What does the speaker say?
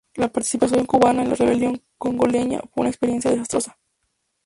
La participación cubana en la rebelión congoleña fue una experiencia desastrosa.